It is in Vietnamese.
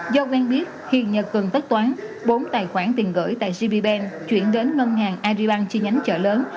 do quen biết hiền nhật gần tất toán bốn tài khoản tiền gửi tại gbben chuyển đến ngân hàng aribang chi nhánh chợ lớn